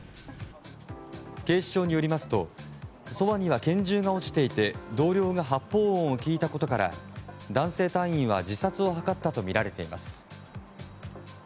警視庁によりますとそばには拳銃が落ちていて同僚が発砲音を聞いたことから男性隊員は自殺を図ったとみられています。